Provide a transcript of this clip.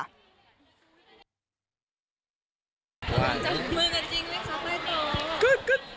จับมือกันจริงหรือครับไม่ตรง